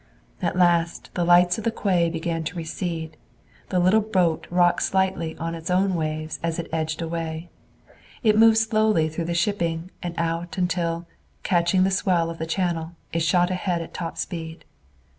At last the lights of the quay began to recede. The little boat rocked slightly in its own waves as it edged away. It moved slowly through the shipping and out until, catching the swell of the channel, it shot ahead at top speed.